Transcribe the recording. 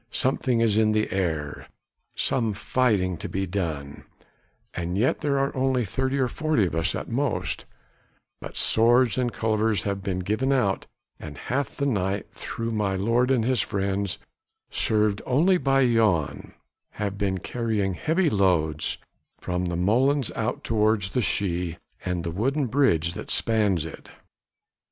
Something is in the air, some fighting to be done, and yet there are only thirty or forty of us at most: but swords and cullivers have been given out, and half the night through my lord and his friends, served only by Jan, have been carrying heavy loads from the molens out toward the Schie and the wooden bridge that spans it.